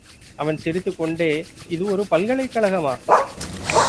அவன் சிரித்துக்கொண்டே, இது ஒரு பல்கலைக் கழகமா?